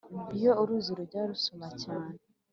Iyo uruzi rujya rusuma cyane